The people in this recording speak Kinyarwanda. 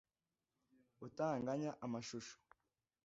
utunganya amashusho